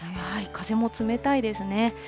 風も冷たいですね。